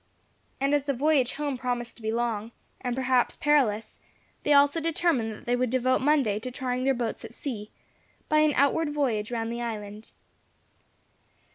And as the voyage home promised to be long, and perhaps perilous, they also determined that they would devote Monday to trying their boats at sea, by an outward voyage round the island.